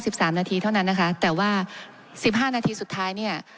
สามนาทีเท่านั้นนะคะแต่ว่าสิบห้านาทีสุดท้ายเนี่ย